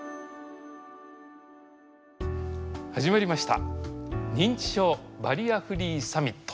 始まりました「認知症バリアフリーサミット」。